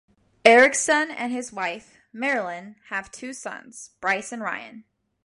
Erickson and his wife, Marilyn, have two sons: Bryce and Ryan.